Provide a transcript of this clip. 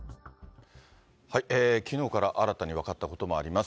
きのうから新たに分かったこともあります。